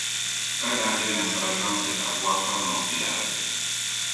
Ka daa di nasara zaŋti Abuakwa North yaɣili.